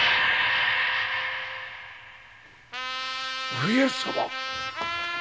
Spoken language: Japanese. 上様⁉